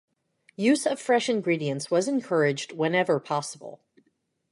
Use of fresh ingredients was encouraged whenever possible.